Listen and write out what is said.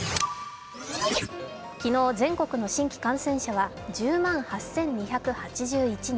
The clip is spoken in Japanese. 昨日、全国の新規感染者は１０万８２８１人。